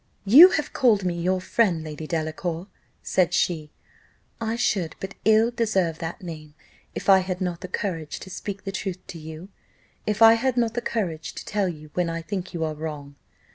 "You have called me your friend, Lady Delacour," said she; "I should but ill deserve that name, if I had not the courage to speak the truth to you if I had not the courage to tell you when I think you are wrong."